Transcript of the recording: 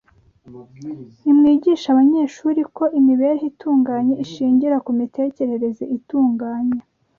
Nimwigishe abanyeshuri ko imibereho itunganye ishingira ku mitekerereze itunganye